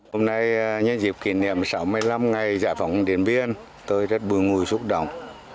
hôm nay nhân dịp kỷ niệm sáu mươi năm ngày giải phóng điện biên tôi rất buồn ngùi xúc động